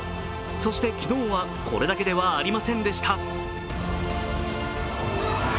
そして昨日はこれだけではありませんでした。